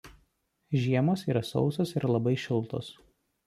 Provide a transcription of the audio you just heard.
Žiemos yra sausos ir labai šiltos.